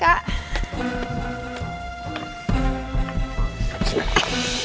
sampai jumpa lagi